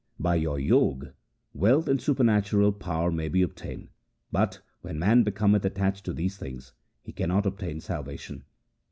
By your Jog, wealth and supernatural power may be obtained, but, when man becometh attached to these things, he cannot obtain salvation.